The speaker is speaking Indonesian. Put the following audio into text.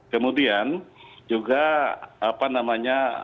kemudian juga apa namanya